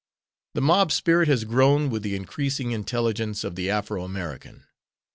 The mob spirit has grown with the increasing intelligence of the Afro American.